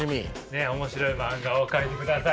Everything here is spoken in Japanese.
面白い漫画を描いてください。